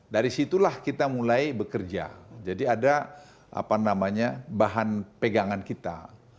dari situlah kita mulai bekerja jadi ada bahan pegangan kita